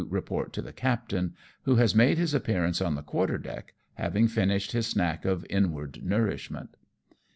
report to the captain, who has made his appearance on the quarter deck, having finished his snack of inward nourishment.